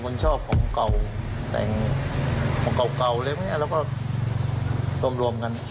คนชอบของเก่าแต่ของเก่าเก่าเลยแล้วก็รวมรวมกัน